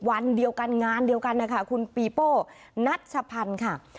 วันเดียวกันงานเดียวกันนะคะคุณปีโป้นัชพันธ์ค่ะ